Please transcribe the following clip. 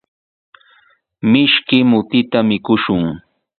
Mishki mutita mikushun.